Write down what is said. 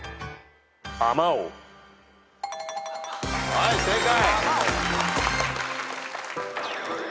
はい正解。